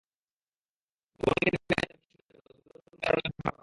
ওয়ালিংয়ের মেয়াদের বাকি সময়ের জন্য দ্রুত নতুন মেয়রের নাম ঘোষণা করা হবে।